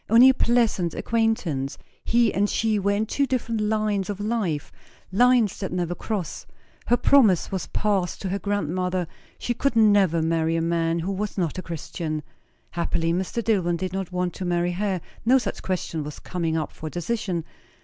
Only a pleasant acquain'tance. He and she were in two different lines of life, lines that never cross. Her promise was passed to her grandmother; she could never marry a man who was not a Christian. Happily Mr. Dillwyn did not want to marry her; no such question was coming up for decision.